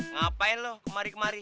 ngapain lo kemari kemari